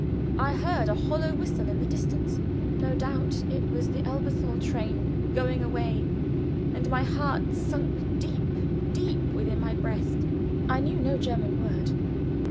I heard a hollow whistle in the distance. No doubt it was the Elberthal train going away, and my heart sunk deep, deep within my breast. I knew no German word.